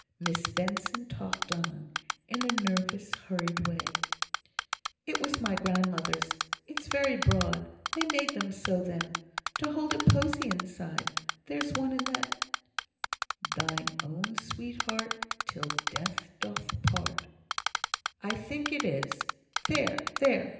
Miss Benson talked on, in a nervous hurried way: "It was my grandmother's; it's very broad; they made them so then, to hold a posy inside: there's one in that; Thine own sweetheart Till death doth part, I think it is. There, there!